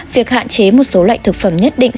việc hạn chế một số loại thực phẩm nhất định